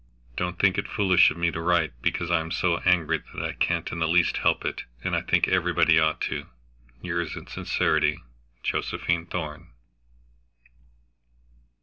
Don't think it foolish of me to write, because I'm so angry that I can't in the least help it, and I think everybody ought to. "Yours in sincerity," "JOSEPHINE THORN."